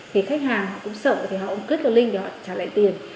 thì khách hàng họ cũng sợ thì họ cũng click vào link để họ trả lại tiền